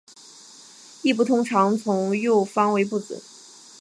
殳部通常从右方为部字。